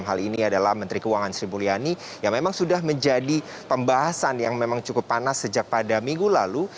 hal ini adalah menteri keuangan sri mulyani yang memang sudah menjadi pembahasan yang memang cukup panas sejak pada minggu lalu